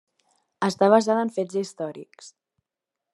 Està basada en fets històrics.